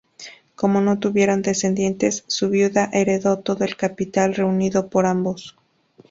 Como no tuvieron descendientes, su viuda heredó todo el capital reunido por ambos.